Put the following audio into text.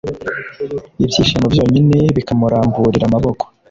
ibyishimo byonyine bikuramburira amaboko